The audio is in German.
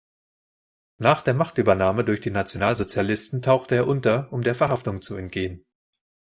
Nach der Machtübernahme durch die Nationalsozialisten tauchte er unter, um der Verhaftung zu entgehen.